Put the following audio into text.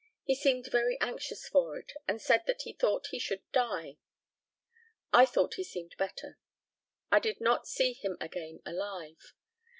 He seemed very anxious for it, and said that he thought he should die. I thought he seemed better. I did not see him again alive.